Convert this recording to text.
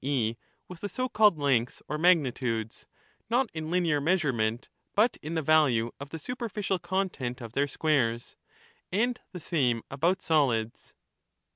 e. with the so called lengths or magnitudes] not in linear measurement, but in the value of the superficial content of their squares ; and the same about solids.